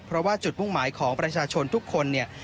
เพราะว่าจุดมุ่งหมายของประชาชนทุกคนเนี่ย